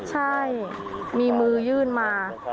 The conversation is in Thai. ใช่มีมือยื่นมา